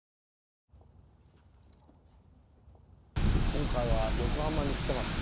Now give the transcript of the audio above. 今回は横浜に来てます。